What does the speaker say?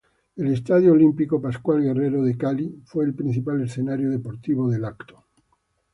El Estadio Olímpico Pascual Guerrero de Cali fue el principal escenario deportivo del evento.